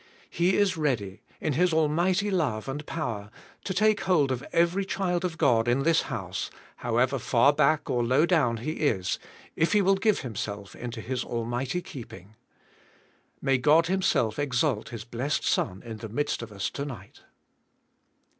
He is ready, in His almig hty love and power, to take hold of every child of God in this house, however far back or low down he is, if he will g ive himself into His almig hty keeping . May God Himself exalt His blessed Son in the midst of us to nig ht.